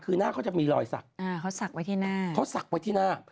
คือหน้าเขาจะมีลอยซักณสักไว้ที่หน้า